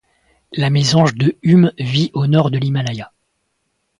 La Mésange de Hume vit au nord de l'Himalaya.